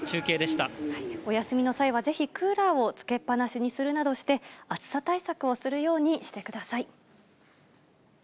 お休みの際はぜひクーラーをつけっぱなしにするなどして、暑さ対策をするようにしてください。